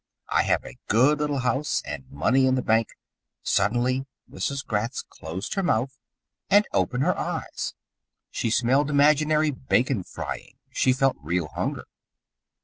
I have a good little house, and money in the bank " Suddenly Mrs. Gratz closed her mouth and opened her eyes. She smelled imaginary bacon frying. She felt real hunger.